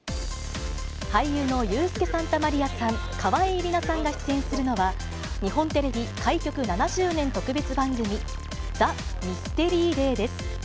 俳優のユースケ・サンタマリアさん、川栄李奈さんが出演するのは、日本テレビ開局７０年特別番組、ＴＨＥＭＹＳＴＥＲＹＤＡＹです。